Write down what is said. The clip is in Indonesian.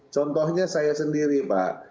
contohnya saya sendiri pak